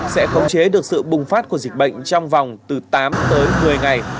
sẽ khống chế được sự bùng phát của dịch bệnh trong vòng từ tám tới một mươi ngày